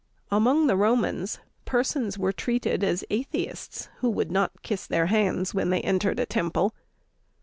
Among the Romans, persons were treated as atheists who would not kiss their hands when they entered a temple.